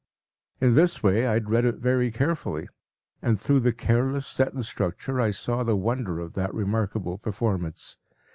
In this way I had read it very carefully, and through the careless sentence structure I saw the wonder of that remarkable performance.